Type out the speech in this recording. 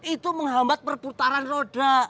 itu menghambat perputaran roda